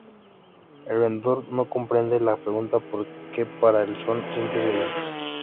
El vendedor no comprende la pregunta por que para el son simples "gallinas".